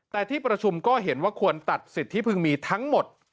แต่ที่ประชุมก็เห็นว่าควรตัดสิทธิพึงมีทั้งหมด